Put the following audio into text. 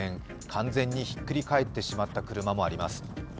完全にひっくり返ってしまった車もあります。